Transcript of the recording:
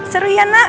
seru ya nak